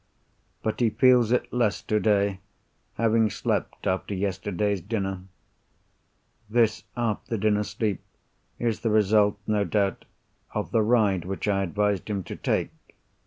But he feels it less today, having slept after yesterday's dinner. This after dinner sleep is the result, no doubt, of the ride which I advised him to take.